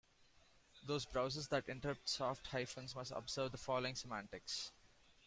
Those browsers that interpret soft hyphens must observe the following semantics.